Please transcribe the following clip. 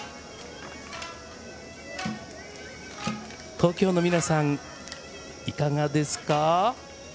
東京の皆さん、いかがですか？